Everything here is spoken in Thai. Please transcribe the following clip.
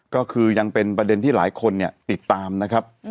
ก็คือยังเป็นประเด็นที่หลายคนเนี่ยติดตามนะครับ